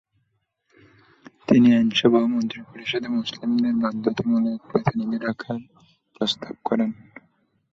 তিনি আইনসভা ও মন্ত্রিপরিষদে মুসলিমদের বাধ্যতামূলক প্রতিনিধি রাখার প্রস্তাব করেন।